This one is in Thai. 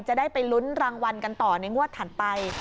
จะได้ไปลุ้นรางวัลกันต่อในงวดถัดไป